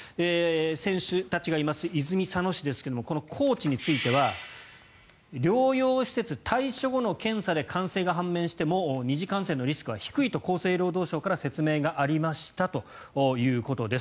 選手たちがいます泉佐野市ですけどもこのコーチについては療養施設退所後の検査で感染が判明しても二次感染のリスクは低いと厚生労働省から説明がありましたということです。